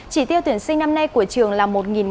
chỉ tiêu tuyển sinh năm nay của trường là một một trăm hai mươi